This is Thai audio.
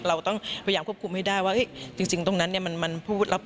เราต้องพยายามควบคุมให้ได้ว่าจริงตรงนั้นเนี่ยมันพูดแล้ว